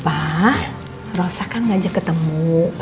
wah rosa kan ngajak ketemu